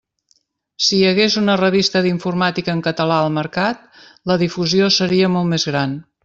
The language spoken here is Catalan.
Si hi hagués una revista d'informàtica en català al mercat, la difusió seria molt més gran.